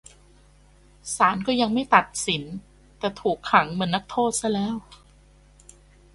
ศาลก็ยังไม่ตัดสิน แต่ถูกขังเหมือนนักโทษซะแล้ว